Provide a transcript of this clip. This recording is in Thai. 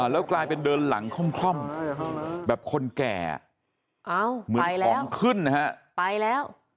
แล้วกลายเป็นเดินหลังคล่อมแบบคนแก่เหมือนของขึ้นนะฮะไปแล้ว